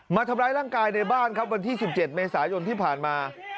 มาทำร้ายร่างกายในบ้านครับวันที่๑๗เมษายนที่ผ่านมา